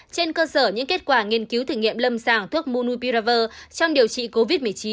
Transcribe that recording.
trên cơ sở những kết quả nghiên cứu thử nghiệm lâm sàng thuốc munu piraver trong điều trị covid một mươi chín